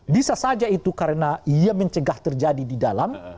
bisa saja itu karena ia mencegah terjadi di dalam